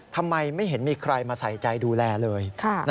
ทำไมไม่เห็นมีใครมาใส่ใจดูแลเลย